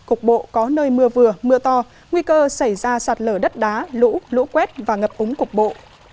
cục bộ có nơi mưa vừa mưa to nguy cơ xảy ra sạt lở đất đá lũ lũ quét và ngập úng cục bộ